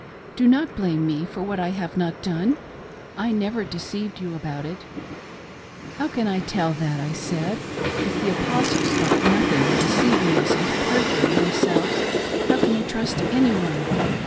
Do not blame me for what I have not done. I never deceived you about it." " How can I tell that ?" I said. " If the Aposdes thought nothing of deceiv ing us and perjuring themselves, how can I trust any one